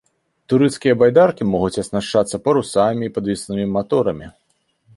Турысцкія байдаркі могуць аснашчацца парусамі і падвеснымі маторамі.